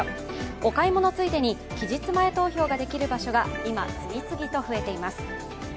お買い物ついでの期日前投票ができる場所が今、次々と増えています。